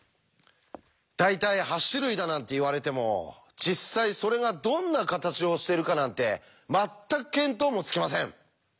大体８種類だなんて言われても実際それがどんな形をしているかなんて全く見当もつきません。